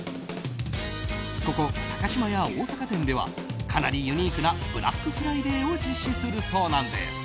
ここ高島屋大阪店ではかなりユニークなブラックフライデーを実施するそうなんです。